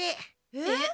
えっ？